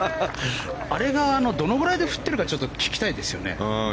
あれがどのぐらいで振ってるか聞きたいですよね。